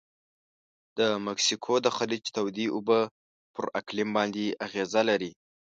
د مکسیکو د خلیج تودې اوبه پر اقلیم باندې اغیزه لري.